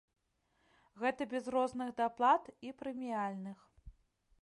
Гэта без розных даплат і прэміяльных.